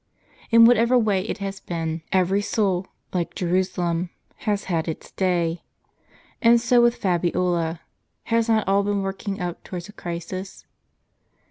In whatever way it has been, every soul, like Jerusalem,* has had its day. And so with Fabiola, has not all been working up towards a crisis